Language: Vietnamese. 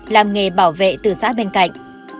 làm nghề bảo vệ từ xã bên cạnh